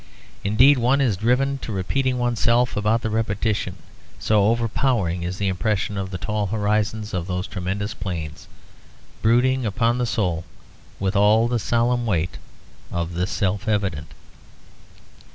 Indeed one is driven to repeating oneself about the repetition, so overpowering is the impression of the tall horizons of those tremendous plains, brooding upon the soul with all the solemn weight of the self evident.